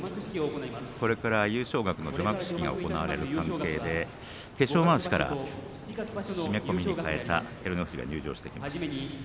これから優勝額の除幕式が行われる関係で化粧まわしから締め込みに替えた照ノ富士が入場してきます。